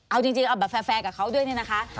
เอาจริงแฟร์กับเขาด้วยนะคะ